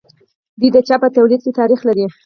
دوی د چای په تولید کې تاریخ لري.